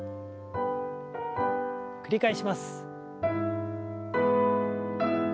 繰り返します。